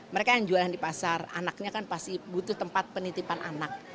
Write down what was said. mereka yang jualan di pasar anaknya kan pasti butuh tempat penitipan anak